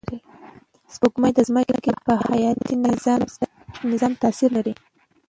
سپوږمۍ د ځمکې پر حیاتي نظام تأثیر لري